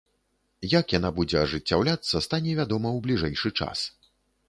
Як яна будзе ажыццяўляцца, стане вядома ў бліжэйшы час.